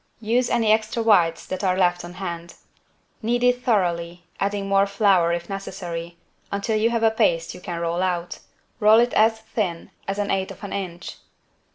Use any extra whites that are on hand. Knead it thoroughly, adding more flour if necessary, until you have a paste you can roll out. Roll it as thin as an eighth of an inch.